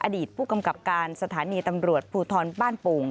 อดีตผู้กำกับการสถานีตำรวจภูทรบ้านโป่ง